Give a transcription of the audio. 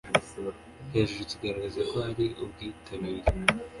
hejuru kigaragaza kohari ubwitabire